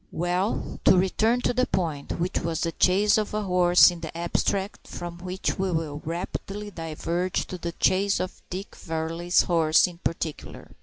Well, to return to the point, which was the chase of a horse in the abstract; from which we will rapidly diverge to the chase of Dick Varley's horse in particular.